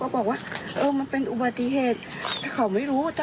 มันจะเป็นและว่า